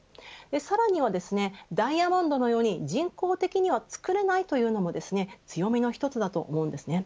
さらにはダイアモンドのように人工的には作れないというのも強みの１つです。